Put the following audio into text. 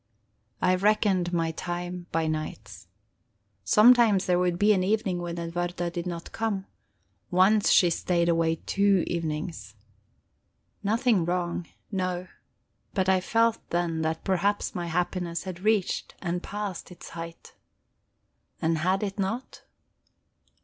I reckoned my time by nights. Sometimes there would be an evening when Edwarda did not come once she stayed away two evenings. Nothing wrong, no. But I felt then that perhaps my happiness had reached and passed its height. And had it not?